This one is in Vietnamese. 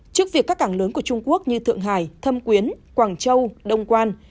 trước việc các cảng lớn của trung quốc như thượng hải thâm quyến quảng châu đông quan